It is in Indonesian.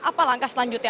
apa langkah selanjutnya